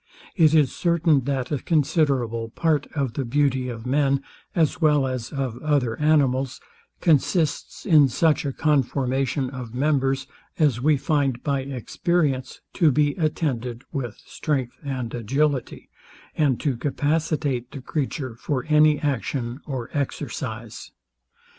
It is certain, that a considerable part of the beauty of men, as well as of other animals, consists in such a conformation of members, as we find by experience to be attended with strength and agility, and to capacitate the creature for any action or exercise.